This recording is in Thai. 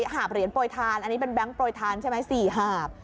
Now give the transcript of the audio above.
หาบเหรียญโปรยทานอันนี้เป็นแก๊งโปรยทานใช่ไหม๔หาบ